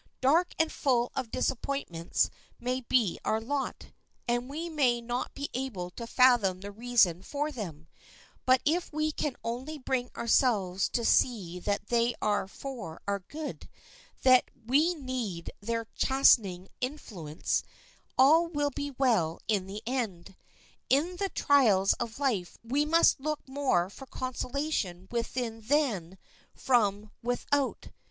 Dark and full of disappointments may be our lot, and we may not be able to fathom the reason for them; but if we can only bring ourselves to see that they are for our good, that we need their chastening influence, all will be well in the end. In the trials of life we must look more for consolation within than from without.